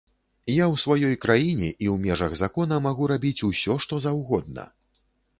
Я ў сваёй краіне і ў межах закона магу рабіць усё, што заўгодна.